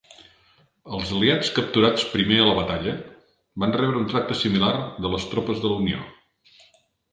Els aliats capturats primer a la batalla van rebre un tracte similar de les tropes de la Unió.